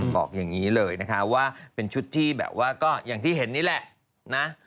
บอกอย่างนี้เลยนะคะว่าเป็นชุดที่แบบว่าก็อย่างที่เห็นนี่แหละนะ